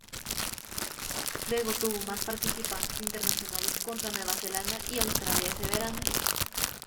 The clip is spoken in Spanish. Luego tuvo más participaciones internacionales contra Nueva Zelanda y Australia ese verano.